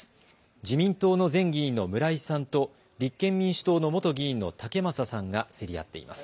自民党の前議員の村井さんと立憲民主党の元議員の武正さんが競り合っています。